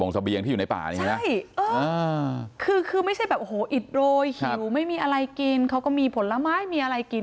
ใช่คือไม่ใช่แบบหิดโรยหิวไม่มีอะไรกินเขาก็มีผลไม้มีอะไรกิน